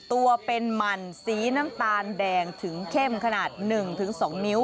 ตัวเป็นหมั่นสีน้ำตาลแดงถึงเข้มขนาด๑๒นิ้ว